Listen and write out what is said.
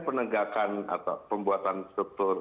penegakan atau pembuatan struktur